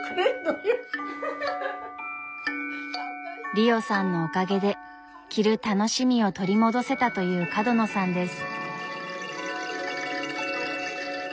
リオさんのおかげで着る楽しみを取り戻せたという角野さんです。